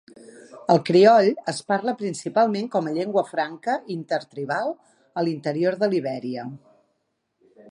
El crioll es parla principalment com a llengua franca intertribal a l'interior de Libèria.